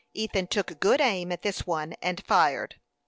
Ethan took good aim at this one, and fired.